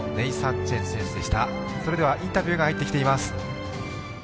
インタビューが入ってきています。